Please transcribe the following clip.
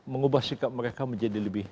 mengubah sikap mereka menjadi lebih